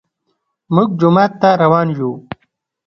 موږ جومات ته روان يو